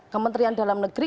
kementerian dalam negeri